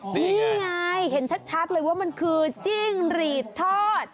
นี่ไงเห็นชัดเลยว่ามันคือจิ้งหรีดทอด